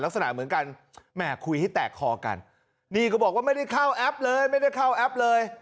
ลักษณะเหมือนกันแหม่คุยให้แตกคอกันนี่เขาบอกว่าไม่ได้เข้าแอปเลย